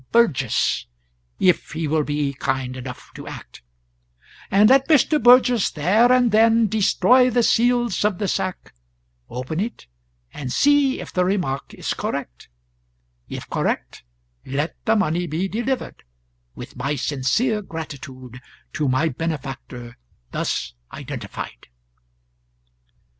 Burgess (if he will be kind enough to act); and let Mr. Burgess there and then destroy the seals of the sack, open it, and see if the remark is correct: if correct, let the money be delivered, with my sincere gratitude, to my benefactor thus identified."